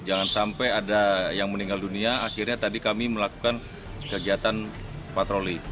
sejumlah remaja nongkrong yang diberikan oleh pemeriksaan